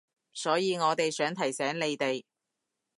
所以我哋想提醒你哋